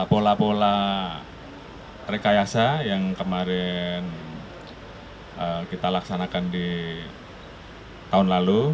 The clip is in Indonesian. pola pola rekayasa yang kemarin kita laksanakan di tahun lalu